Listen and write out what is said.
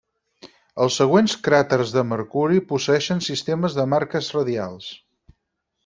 Els següents cràters de Mercuri posseeixen sistemes de marques radials.